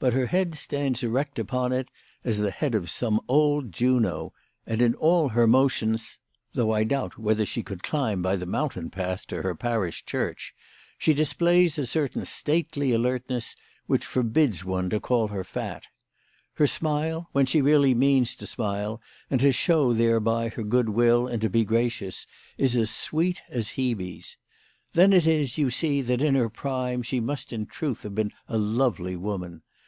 But her head stands erect upon it as the head of some old Juno, and in all her motions, 12 WHY FRAU FROHMANN RAISED HER PRICES. though I doubt whether she could climb by the moun tain path to her parish church, she displays a certain stately alertness which forbids one to call her fat. Her smile, when she really means to smile and to show thereby her good will and to be gracious, is as sweet as Hebe's. Then it is that you see that in her prime she must in truth have been a lovely woman.